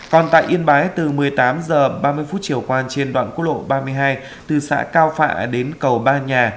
còn tại yên bái từ một mươi tám h ba mươi chiều qua trên đoạn quốc lộ ba mươi hai từ xã cao phạ đến cầu ba nhà